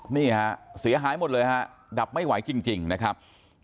นี่ฮะเสียหายหมดเลยฮะดับไม่ไหวจริงนะครับ